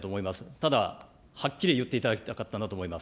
ただ、はっきり言っていただきたかったなと思います。